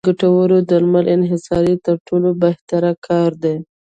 د ګټورو درملو انحصار تر ټولو بهتره کار دی.